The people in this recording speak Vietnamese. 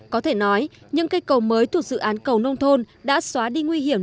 có thể nói những cây cầu mới thuộc dự án cầu nông thôn đã xóa đi nguy hiểm